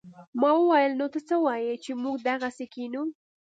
ما وويل نو ته څه وايې چې موږ دغسې کښينو.